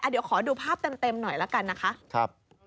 เดี๋ยวขอดูภาพเต็มหน่อยละกันนะคะ